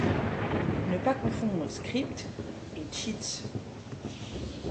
Ne pas confondre scripts et cheats!